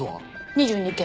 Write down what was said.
２２件。